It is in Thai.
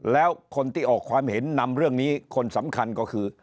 แล้วคนที่ออกความเห็นนำเรื่องนี้คนสำคัญก็คือ